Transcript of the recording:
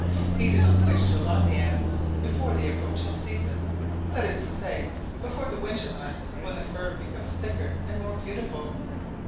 He did not wish to alarm the animals before the approaching season that is to say, before the winter months, when their furs become thicker and more beautiful.